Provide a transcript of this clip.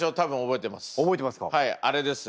はいあれです